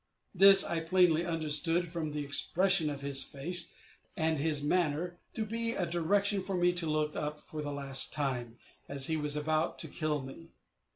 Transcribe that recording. This I plainly understood, from the expression of his face, and his manner, to be a direction for me to look up for the last time, as he was about to kill me.